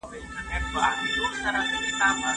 بدبختي د انسان د شراب څښلو یو لامل دی.